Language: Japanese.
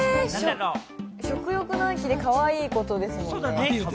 食欲の秋でかわいいことですもんね。